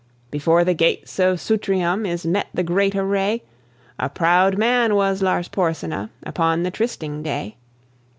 Before the gates of Sutrium Is met the great array. A proud man was Lars Porsena Upon the trysting day.